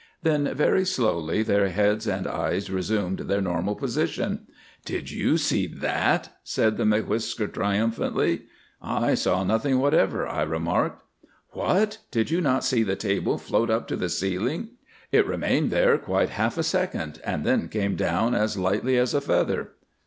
Then very slowly their heads and eyes resumed their normal position. "Did you see that?" said the M'Whisker triumphantly. "I saw nothing whatever," I remarked. "What! did you not see the table float up to the ceiling? It remained there quite half a second, and then came down as lightly as a feather."